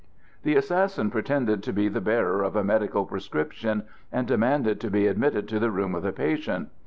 The assassin pretended to be the bearer of a medical prescription, and demanded to be admitted to the room of the patient.